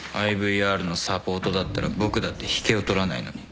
ＩＶＲのサポートだったら僕だって引けを取らないのに。